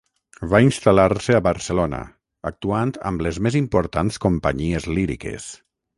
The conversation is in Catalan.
Va instal·lar-se a Barcelona, actuant amb les més importants companyies líriques.